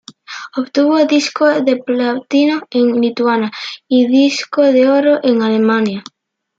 Obtuvo disco de Platino en Lituania y disco de oro en Alemania.